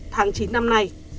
tháng chín năm nay